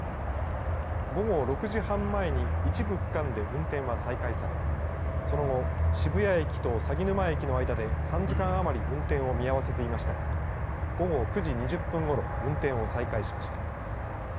午後６時半前に一部区間で運転は再開されその後、渋谷駅と鷺沼駅の間で３時間余り運転を見合わせていましたが午後９時２０分ごろ運転を再開しました。